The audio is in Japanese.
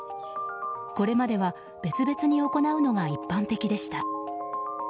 これまでは別々に行うのが一般的でした。